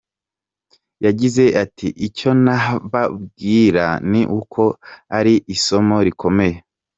Yagize ati “Icyo nababwira ni uko iri ari isomo rikomeye.